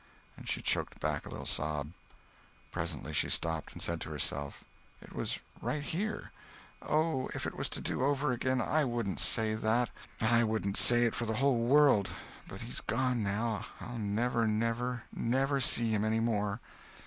And she choked back a little sob. Presently she stopped, and said to herself: "It was right here. Oh, if it was to do over again, I wouldn't say that—I wouldn't say it for the whole world. But he's gone now; I'll never, never, never see him any more."